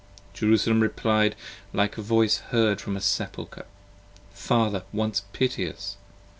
Jerusalem reply'd, like a voice heard from a sepulcher: Father! once piteous!